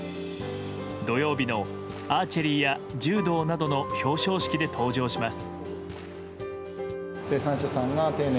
土曜日のアーチェリーや柔道などの表彰式で登場します。